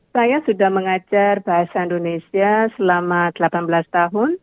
saya sudah mengajar bahasa indonesia selama delapan belas tahun